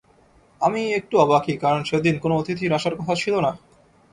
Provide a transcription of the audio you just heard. আমি একটু অবাকই, কারণ সেদিন কোনো অতিথির আসার কথা ছিল না।